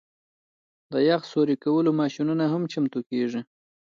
د یخ سوري کولو ماشینونه هم چمتو کیږي